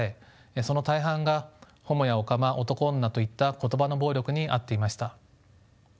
その大半がホモやおかまおとこおんなといった言葉の暴力に遭っていました。